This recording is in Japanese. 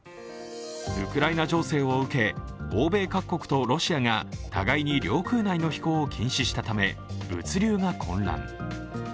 ウクライナ情勢を受け、欧米各国とロシアが互いに領空内の飛行を禁止したため物流が混乱。